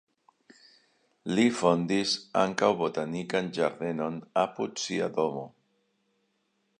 Li fondis ankaŭ botanikan ĝardenon apud sia domo.